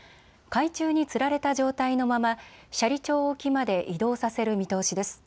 海中につられた状態のまま斜里町沖まで移動させる見通しです。